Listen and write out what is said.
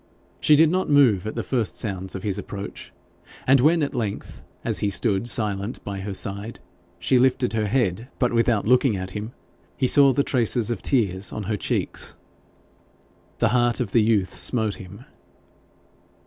She did not move at the first sounds of his approach; and when at length, as he stood silent by her side, she lifted her head, but without looking at him, he saw the traces of tears on her cheeks. The heart of the youth smote him.